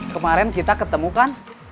kemarin kita ketemu kan